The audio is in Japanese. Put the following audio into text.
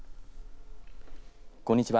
こんにちは。